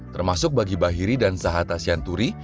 termasuk bagi bahiri dan zahat asyanturi